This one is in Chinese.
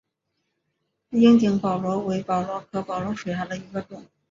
樱井宝螺为宝螺科宝螺属下的一个种。